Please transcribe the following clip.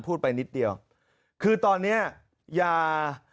พูดไปนิดเดียวคือตอนเนี้ยยา